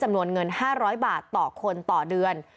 จำนวนเงิน๕๐๐บาทต่อคนต่อเดือน